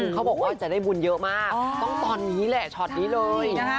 เขาบอกว่าจะได้บุญเยอะมากต้องตอนนี้แหละช็อตนี้เลย